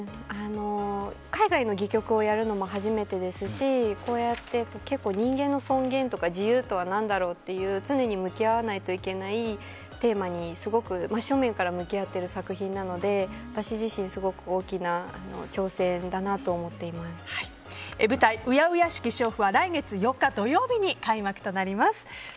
海外の戯曲をやるのも初めてですし結構、人間の尊厳とか自由とは何だろうという常に向きあわないといけないテーマにすごく真正面から向き合ってる作品なので私自身、すごく大きな挑戦だなと舞台「恭しき娼婦」は来月４日、土曜日に開幕となります。